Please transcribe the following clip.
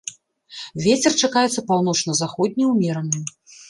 Вецер чакаецца паўночна-заходні ўмераны.